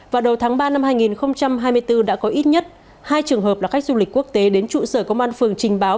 vào đầu tháng ba năm hai nghìn hai mươi bốn đã có ít nhất hai trường hợp là khách du lịch quốc tế đến trụ sở công an phường trình báo